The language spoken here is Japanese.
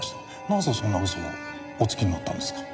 なぜそんな嘘をおつきになったんですか？